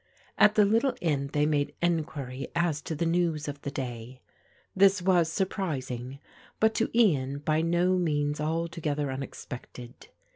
At the little inn they made enquiry as to the news of the day. This was surprising, but to Ian by no means altogether unexpected.